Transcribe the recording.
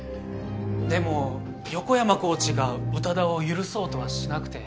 でも横山コーチが宇多田を許そうとはしなくて。